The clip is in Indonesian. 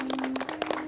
tidak ini sih